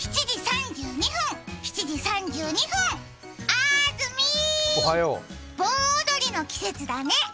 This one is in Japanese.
あーずみー、盆踊の季節だね。